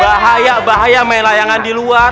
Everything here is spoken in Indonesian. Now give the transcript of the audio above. bahaya bahaya main layangan di luar